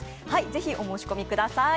ぜひ、お申し込みください。